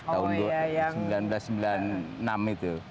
tahun seribu sembilan ratus sembilan puluh enam itu